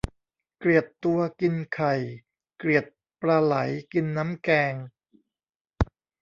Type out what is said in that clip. เกลียดตัวกินไข่ เกลียดปลาไหลกินน้ำแกง